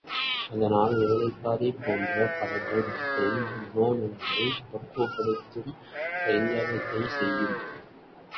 அதனால் வேலைக்காரி போன்ற படங்கள் மக்களின் மனோநிலையைப் பக்குவப்படுத்தும் கைங்கரியத்தைச் செய்யும்.